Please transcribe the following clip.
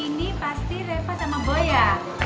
ini pasti reva sama boy ya